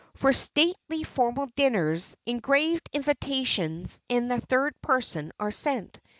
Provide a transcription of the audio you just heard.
For stately formal dinners, engraved invitations in the third person are sent.